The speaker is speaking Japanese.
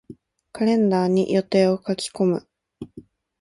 カレンダーに予定を書き込む。